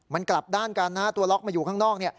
มันกลับด้านกันนะฮะตัวล็อกมาอยู่ข้างนอกเนี่ย